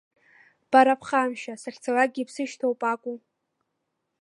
Бара аԥхамшьа, сахьцалакгьы бсышьҭоуп акәу?